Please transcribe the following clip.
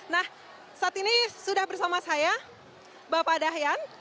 nah saat ini sudah bersama saya bapak dahyan